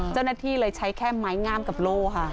เจ้าหน้าที่เลยใช้แค่ไม้งามกับโล่ค่ะ